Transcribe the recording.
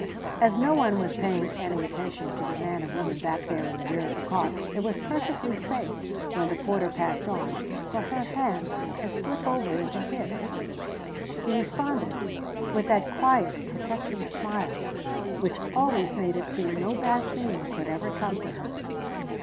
As no one was paying any attention to the man and woman back there in the rear of the car it was perfectly safe, when the porter passed on, for her hand to slip over into his. He responded with that quiet, protecting smile which always made it seem no bad thing could ever come to her.